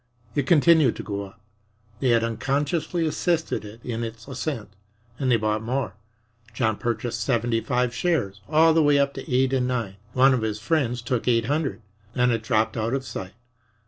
It continued to go up they had unconsciously assisted it in its ascent and they bought more. John purchased seventy five shares all the way up to 8 and 9. One of his friends took eight hundred. Then it dropped out of sight.